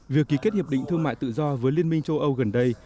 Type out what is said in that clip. việc ký kết hiệp định thương mại tự do với liên minh châu âu gần đây